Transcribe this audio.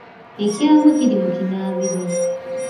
Ekyangwe kiri mu kinaabiro.